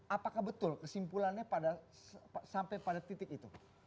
apakah betul kesimpulannya sampai pada titik itu